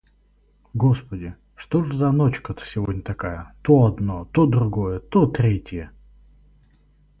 Господи, что ж за ночка-то сегодня такая. То одно, то другое, то третье!